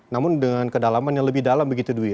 namun dengan kedalaman yang lebih dalam begitu dwi